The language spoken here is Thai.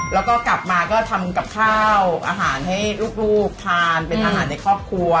แล้วก็กลับมาก็ทำกับข้าวอาหารให้ลูกทานเป็นอาหารในครอบครัว